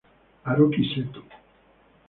Haruki Seto